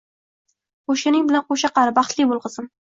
Qoʻshganing bilan qoʻsha qari, baxtli boʻl, qizim